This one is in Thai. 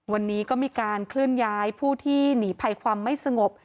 วันนี้ก็มีการเคลื่อนย้ายผู้ที่หนีภัยความไม่สงบ